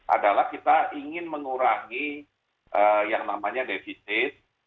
adalah kita ingin mengurangi yang namanya defisit